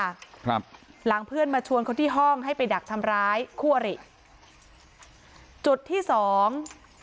ครับหลังเพื่อนมาชวนเขาที่ห้องให้ไปดักทำร้ายคู่อริจุดที่สอง